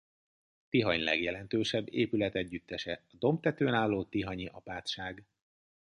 Tihany legjelentősebb épületegyüttese a dombtetőn álló tihanyi apátság.